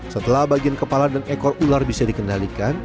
setelah bagian kepala dan ekor ular bisa dikendalikan